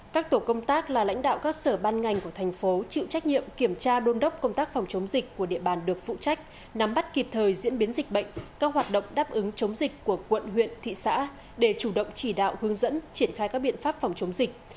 các tổ công tác là lãnh đạo các sở ban ngành của thành phố chịu trách nhiệm kiểm tra đôn đốc công tác phòng chống dịch của địa bàn được phụ trách nắm bắt kịp thời diễn biến dịch bệnh các hoạt động đáp ứng chống dịch của quận huyện thị xã để chủ động chỉ đạo hướng dẫn triển khai các biện pháp phòng chống dịch